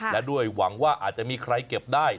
และด้วยหวังว่าอาจจะมีใครเก็บได้